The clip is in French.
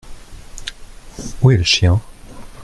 Où est le chien ?